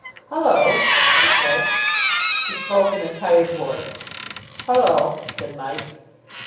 "Hullo," he said. He spoke in a tired voice. "Hullo," said Mike.